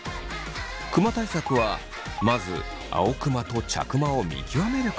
クマ対策はまず青クマと茶クマを見極めること。